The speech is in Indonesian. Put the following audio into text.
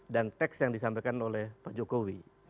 dan teks yang disampaikan oleh pak jokowi